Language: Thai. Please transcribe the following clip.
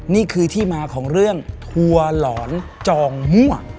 นี่คือที่มาของเรื่องทัวร์หลอนจองมั่ว